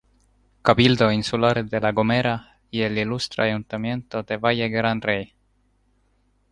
Cabildo Insular de La Gomera y el Ilustre Ayuntamiento de Valle Gran Rey.